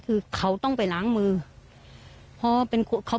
ป้าของน้องธันวาผู้ชมข่าวอ่อน